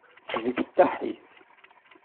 Sbesteḥ-it.